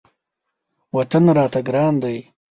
وطن راته ګران دی.